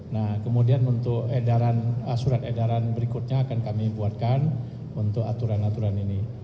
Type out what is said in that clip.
nah kemudian untuk surat edaran berikutnya akan kami buatkan untuk aturan aturan ini